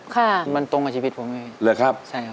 ครับ